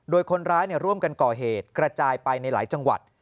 โดยคนร้ายร่วมกันก่อเหตุกระจายไปในหลายจังหวัด